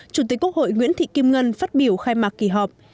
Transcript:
chủ tịch quốc hội nguyễn thị kim ngân phát biểu khai mạc kỳ họp